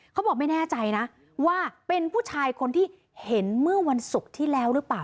เขาบอกไม่แน่ใจนะว่าเป็นผู้ชายคนที่เห็นเมื่อวันศุกร์ที่แล้วหรือเปล่า